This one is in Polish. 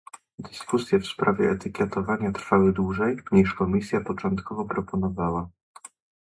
Dyskusje w sprawie etykietowania trwały dłużej, niż Komisja początkowo proponowała